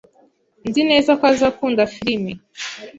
Nzi neza ko azakunda firime.